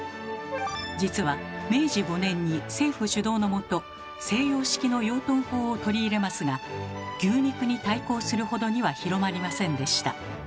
実は明治５年に政府主導のもと西洋式の養豚法を取り入れますが牛肉に対抗するほどには広まりませんでした。